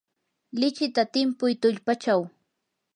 lichita timpuy tullpachaw.